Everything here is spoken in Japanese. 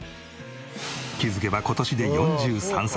気づけば今年で４３歳。